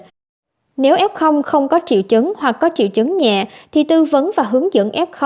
nếu f không có triệu chứng hoặc có triệu chứng nhẹ thì tư vấn và hướng dẫn f